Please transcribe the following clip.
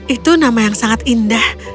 itu nama yang sangat indah